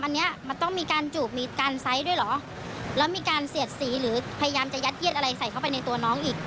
อันนี้มันต้องมีการจูบมีการไซส์ด้วยเหรอแล้วมีการเสียดสีหรือพยายามจะยัดเยียดอะไรใส่เข้าไปในตัวน้องอีก